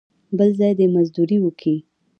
بل ځای دې مزدوري وکي.